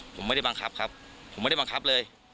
ผมไม่ได้บังคับครับผมไม่ได้บังคับเลย